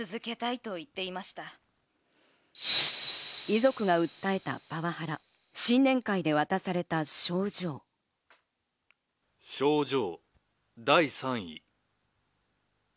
遺族が訴えたパワハラ、新年会で渡された、症状。